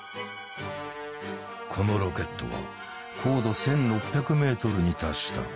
このロケットは高度１，６００ｍに達した。